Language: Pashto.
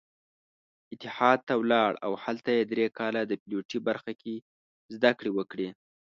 اتحاد ته ولاړ او هلته يې درې کاله د پيلوټۍ برخه کې زدکړې وکړې.